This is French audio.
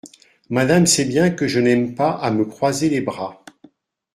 Madame sait bien que je n’aime pas à me croiser les bras…